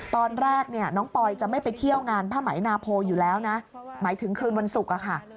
ตอนแรกเนี่ยน้องปอยจะไม่ไปเที่ยวงานผ้าไหมนาโพอยู่แล้วนะหมายถึงคืนวันศุกร์อะค่ะ